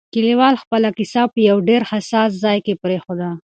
لیکوال خپله کیسه په یو ډېر حساس ځای کې پرېښوده.